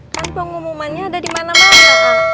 kan pengumumannya ada dimana mana a